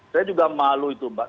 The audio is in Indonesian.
saya juga malu itu mbak